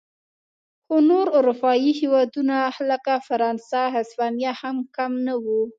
خو نور اروپايي هېوادونه لکه فرانسه او هسپانیا هم کم نه و.